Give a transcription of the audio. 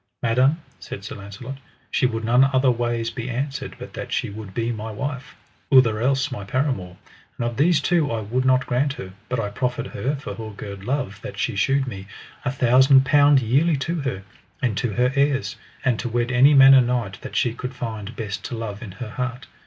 Madam, said Sir Launcelot, she would none other ways be answered but that she would be my wife, outher else my paramour; and of these two I would not grant her, but I proffered her, for her good love that she shewed me, a thousand pound yearly to her, and to her heirs, and to wed any manner knight that she could find best to love in her heart.